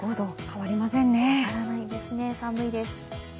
変わらないんですね、寒いです。